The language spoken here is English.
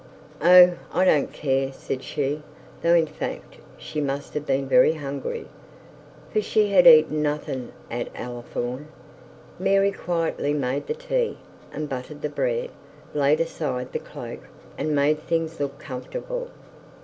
'Oh, I don't care,' said she; though in fact she must have been very hungry, for she had eaten nothing at Ullathorne. Mary quietly made the tea, and buttered the bread, laid aside the cloak, and made things look comfortable.